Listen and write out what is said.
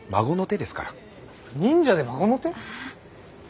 忍者で孫の手？いや。